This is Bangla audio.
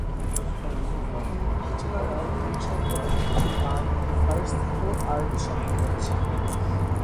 উর্দু ছাড়াও এই সংকলনে কিছু বাণী ফারসি ও আরবি শব্দে রয়েছে।